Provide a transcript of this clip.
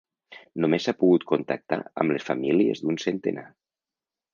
Només s’ha pogut contactar amb les famílies d’un centenar.